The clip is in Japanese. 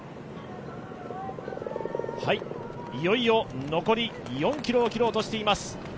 いよいよ残り４ｋｍを切ろうとしています。